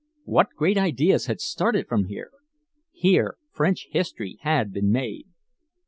What great ideas had started from here! Here French history had been made!